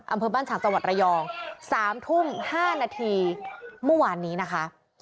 อำเภอบ้านฉางจังหวัดระยอง๓ทุ่ม๕นาทีเมื่อวานนี้นะคะ